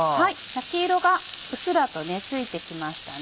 焼き色がうっすらとついてきましたね。